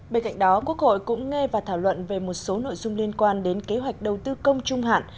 bên cạnh đó quốc hội cũng nghe và thảo luận về một số nội dung liên quan đến kế hoạch đầu tư công trung hạn